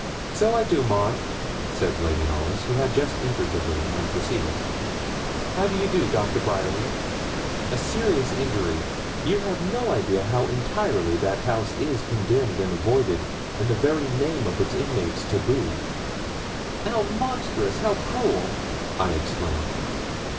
'So I do, Maud,' said Lady Knollys, who had just entered the room unperceived, 'How do you do, Doctor Bryerly? a serious injury. You have no idea how entirely that house is condemned and avoided, and the very name of its inmates tabooed.' 'How monstrous how cruel!' I exclaimed.